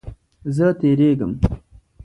زه تیریږم